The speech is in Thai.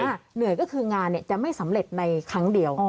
เหนื่อยก็คืองานจะไม่สำเร็จในครั้งเดียว